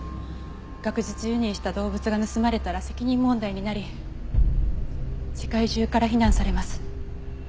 学術輸入した動物が盗まれたら責任問題になり世界中から非難されます。